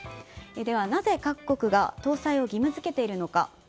では、なぜ各国が搭載を義務付けているのか。